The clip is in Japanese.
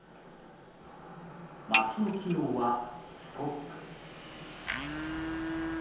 街の機能はストップ。